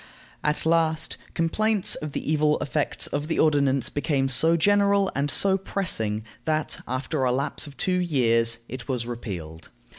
At last, complaints of the evil effects of the ordinance became so general and so pressing that, after a lapse of two years, it was repealed.